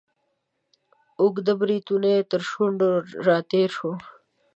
اوږده بریتونه یې تر شونډو را تیر وه.